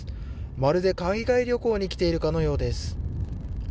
まるで海外旅行に来ているかのようです。